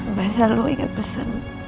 mbak selalu ingat pesan